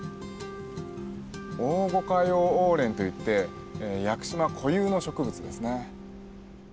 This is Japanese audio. オオゴカヨウオウレンといって屋久島固有の植物ですね。